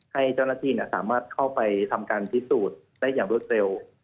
ให้เจ้าหน้าที่สามารถเข้าไปทำการพิสูจน์ได้อย่างรวดเร็ว